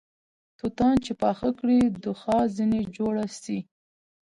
توتان چې پاخه کړې دوښا ځنې جوړه سې